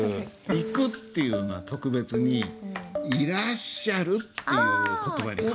「行く」っていうのは特別に「いらっしゃる」っていう言葉に。